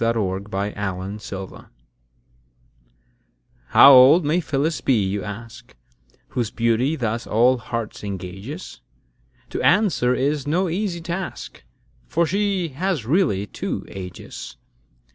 Matthew Prior Phyllis's Age HOW old may Phyllis be, you ask, Whose beauty thus all hearts engages? To answer is no easy task; For she has really two ages.